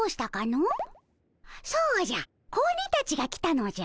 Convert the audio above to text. そうじゃ子鬼たちが来たのじゃ。